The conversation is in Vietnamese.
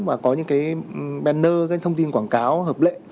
mà có những cái banner những cái thông tin quảng cáo hợp lệ